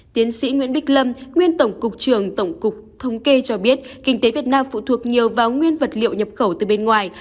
tiến sĩ nguyễn bích lâm nguyên tổng cục trường tổng cục thống kê cho biết kinh tế việt nam phụ thuộc nhiều vào nguyên vật liệu nhập khẩu từ bên ngoài